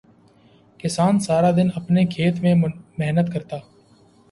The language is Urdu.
کسان سارا دن اپنے کھیت میں محنت کرتا